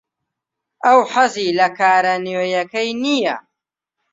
ئەو حەزی لە کارە نوێیەکەی نییە.